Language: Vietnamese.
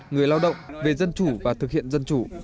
người lao động về dân chủ và thực hiện dân chủ